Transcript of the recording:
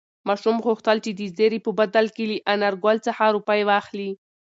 ماشوم غوښتل چې د زېري په بدل کې له انارګل څخه روپۍ واخلي.